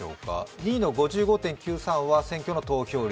２位の５５．９３は選挙の投票率。